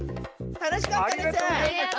楽しかったです。